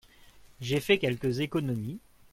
J’ai fait quelques économies…